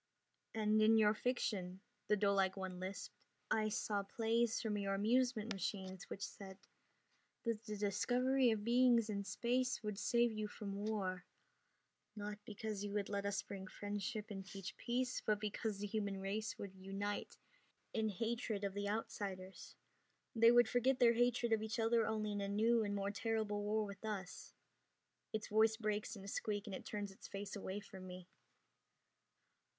"And in your fiction," the doelike one lisped, "I saw plays from your amusement machines which said that the discovery of beings in space would save you from war, not because you would let us bring friendship and teach peace, but because the human race would unite in hatred of the outsiders. They would forget their hatred of each other only in a new and more terrible war with us." Its voice breaks in a squeak and it turns its face away from me.